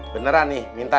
beneran nih minta